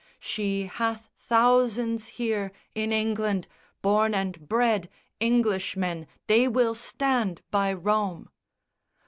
She hath thousands here in England, born and bred Englishmen. They will stand by Rome!"